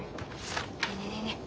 ねえねえねえねえ。